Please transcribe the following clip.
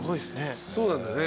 そうなんだよね